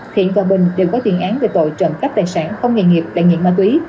thiện và bình đều có tuyên án về tội trộm cắp tài sản không nghề nghiệp đại nghiệp ma túy